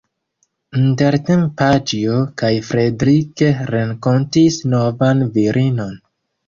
Intertempe Paĉjo kaj Fredrik renkontis novan virinon.